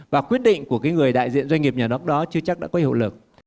và quyết định của người đại diện doanh nghiệp nhà nước đó chưa chắc đã có hiệu lực